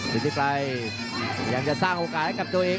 สิทธิไกรพยายามจะสร้างโอกาสให้กับตัวเอง